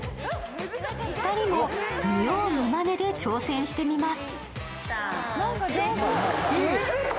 ２人も見よう見まねで挑戦してみます。